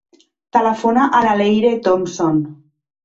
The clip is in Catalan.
Telefona a la Leyre Thompson.